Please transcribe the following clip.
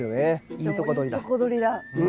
いいとこ取りだ。